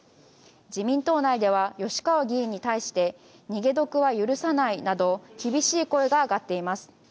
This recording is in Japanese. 自民党内では吉川議員に対して逃げ得は許さないなど厳しい声が上がっています。